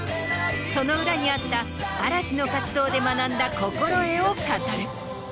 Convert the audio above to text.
その裏にあった嵐の活動で学んだ心得を語る。